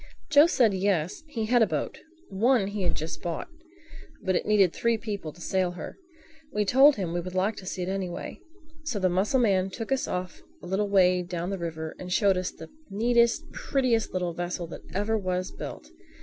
Joe said yes, he had a boat—one he had just bought—but it needed three people to sail her. We told him we would like to see it anyway. So the mussel man took us off a little way down the river and showed us the neatest, prettiest, little vessel that ever was built.